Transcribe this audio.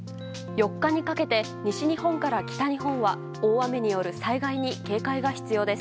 ４日にかけて西日本から北日本は大雨による災害に警戒が必要です。